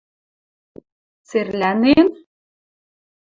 – Церлӓнен?